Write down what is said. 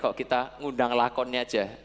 kok kita ngundang lakonnya aja